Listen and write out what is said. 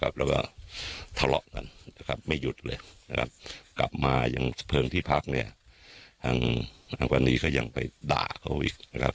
บอกจำนวนหลายครั้งซึ่งเขาเองเขาก็จำไม่ได้